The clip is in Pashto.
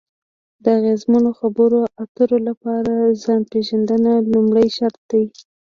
د اغیزمنو خبرو اترو لپاره ځان پېژندنه لومړی شرط دی.